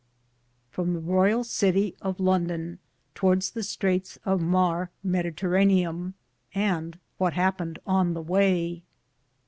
from The Royall Cittie of London towardes The Straites of Mariemediteranum, and what hapened by the waye.